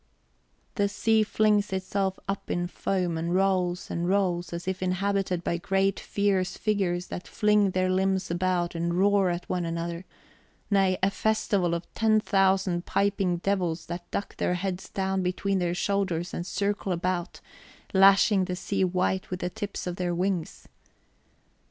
The sea flings itself up in foam, and rolls and rolls, as if inhabited by great fierce figures that fling their limbs about and roar at one another; nay, a festival of ten thousand piping devils that duck their heads down between their shoulders and circle about, lashing the sea white with the tips of their wings.